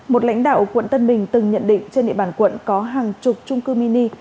một lãnh đạo quận tân bình từng nhận định trên địa bàn quận có hàng chục trung cư mini